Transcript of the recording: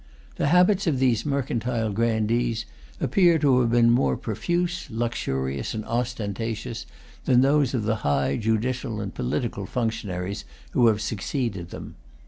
The habits of these mercantile grandees appear to have been more profuse, luxurious, and ostentatious, than those of the high judicial and political functionaries who have succeeded them.